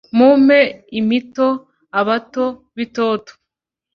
Mumpe amito abato b'itoto